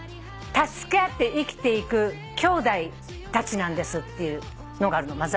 「助け合って生きていくきょうだいたちなんです」っていうのがあるの。